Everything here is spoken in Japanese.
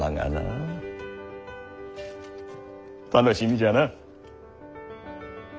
楽しみじゃな。